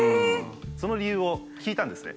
その理由を聞いたんですね。